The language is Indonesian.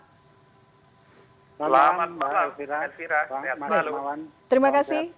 selamat malam bapak bapak